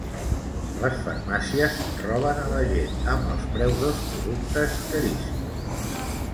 Les farmàcies roben a la gent amb els preus dels productes caríssims